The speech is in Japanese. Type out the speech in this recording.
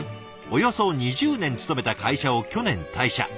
およそ２０年勤めた会社を去年退社。